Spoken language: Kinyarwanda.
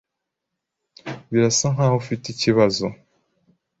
Birasa nkaho ufite ikibazo.